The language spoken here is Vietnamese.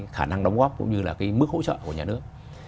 khả năng đóng góp cũng như là cái mức hỗ trợ của nhà nước